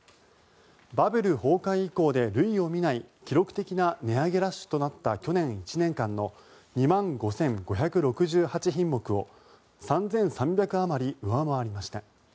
バブル崩壊以降で類を見ない記録的な値上げラッシュとなった去年１年間の２万５５６８品目を３３００あまり上回りました。